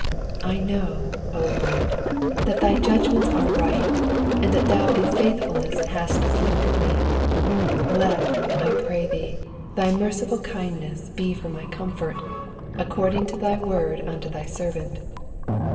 75 I know, O Lord, that thy judgments are right, and tAat thou in faithfulness hast afflicted me. y6 Let, I pray thee, thy merciful kindness be for my comfort, according to thy word unto thy servant.